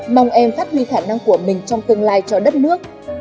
mong em phát huy khả năng của mình trong tương lai cho đất nước